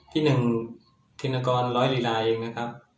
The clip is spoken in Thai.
พี่หนึ่งพินากรร้อยลีลาเองนะครับ